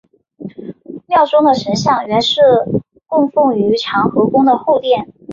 庙中的神像原是供奉于长和宫的后殿。